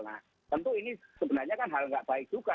nah tentu ini sebenarnya kan hal gak baik juga